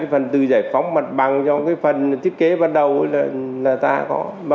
phần từ giải phóng mặt bằng cho phần thiết kế bắt đầu là ta có